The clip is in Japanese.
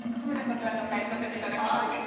こちらでお返しさせていただきますね。